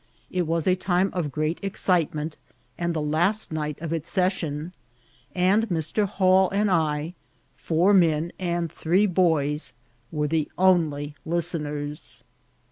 It was a time of great excitement, and the last night of its session ; and Mr. Hall and I, four men and three boys, were the only listeners.'